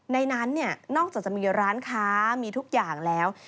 ในนั้นนอกจากจะมีร้านค้ามีทุกอย่างแล้ว